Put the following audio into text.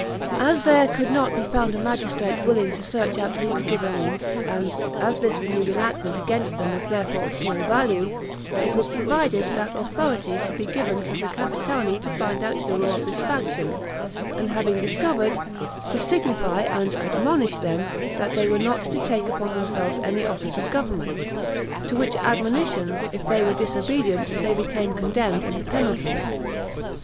As there could not be found a magistrate willing to search out who were Ghibellines, and as this renewed enactment against them was therefore of small value, it was provided that authority should be given to the Capitani to find out who were of this faction; and, having discovered, to signify and ADMONISH them that they were not to take upon themselves any office of government; to which ADMONITIONS, if they were disobedient, they became condemned in the penalties.